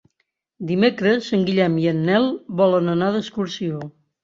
Dimecres en Guillem i en Nel volen anar d'excursió.